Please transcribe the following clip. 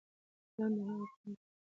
لنډه هغه په خلاصه ټنډه